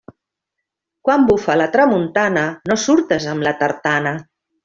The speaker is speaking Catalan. Quan bufe la tramuntana, no surtes amb la tartana.